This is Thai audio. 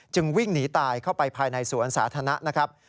วิ่งหนีตายเข้าไปภายในสวนสาธารณะนะครับ